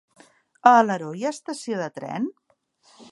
A Alaró hi ha estació de tren?